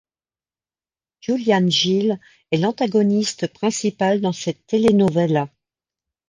Julián Gil est l'antagoniste principal dans cette telenovela.